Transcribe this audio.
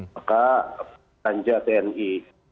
maka kancah tni